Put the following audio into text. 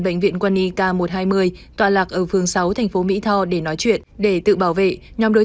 bệnh viện quân y k một trăm hai mươi tòa lạc ở phường sáu thành phố mỹ tho để nói chuyện để tự bảo vệ nhóm đối